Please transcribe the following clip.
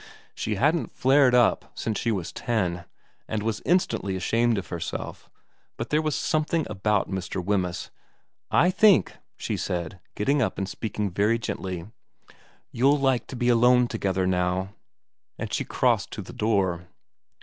She hadn't flared up since she was ten, and was instantly ashamed of herself, but there was something about Mr. Wemyss * I think,' she said, getting up and speaking very gently, ' you'll like to be alone together now.' And she crossed to the door.